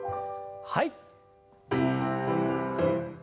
はい。